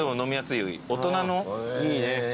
いいね。